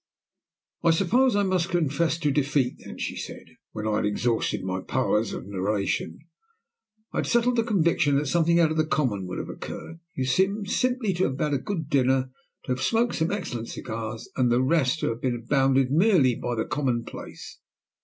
"I suppose I must confess to defeat then," she said, when I had exhausted my powers of narration. "I had a settled conviction that something out of the common would have occurred. You seem simply to have had a good dinner, to have smoked some excellent cigars, and the rest to have been bounded merely by the commonplace.